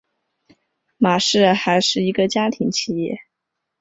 玛氏还是一个家庭企业。